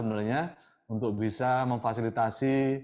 benar benar untuk bisa memfasilitasi